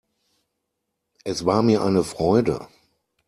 Es war mir eine Freude.